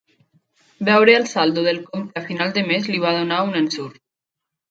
Veure el saldo del compte a final de mes li va donar un ensurt.